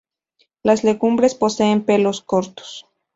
Las legumbres poseen pelos cortos.